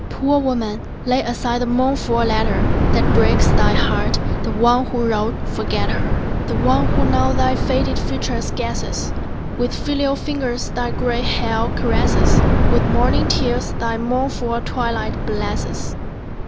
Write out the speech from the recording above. Poor woman, lay aside the mournful letter That breaks thy heart; the one who wrote, forget her: The one who now thy faded features guesses, With filial fingers thy gray hair caresses, With morning tears thy mournful twilight blesses.